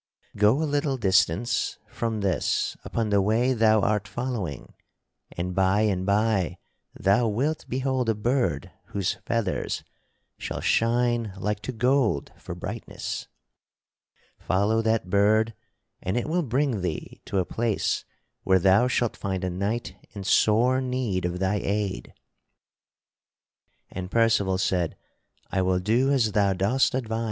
Go a little distance from this upon the way thou art following and by and by thou wilt behold a bird whose feathers shall shine like to gold for brightness. Follow that bird and it will bring thee to a place where thou shalt find a knight in sore need of thy aid." And Percival said: "I will do as thou dost advise."